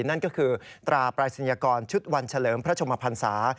นั่นก็คือตราปรายศนียกรชุดวันเฉลิมพระชมพันศา